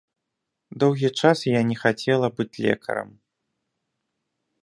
Доўгі час я не хацела быць лекарам.